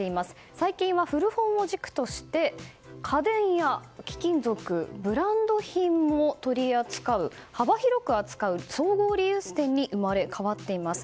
最近は古本を軸として家電や貴金属ブランド品も取り扱う幅広く扱う、総合リユース店に生まれ変わっています。